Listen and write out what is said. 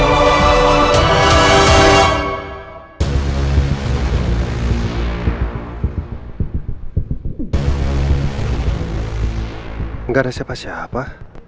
tidak ada siapa siapa